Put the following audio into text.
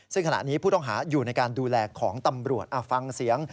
ซึ่งขณะนี้ผู้ต้องหาอยู่ในการดูแลของตำรวจฟังเสียง